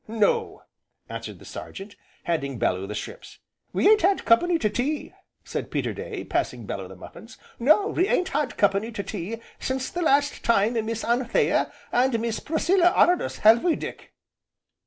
"No," answered the Sergeant, handing Bellew the shrimps. "We ain't had company to tea," said Peterday, passing Bellew the muffins, "no, we ain't had company to tea since the last time Miss Anthea, and Miss Priscilla honoured us, have we, Dick?"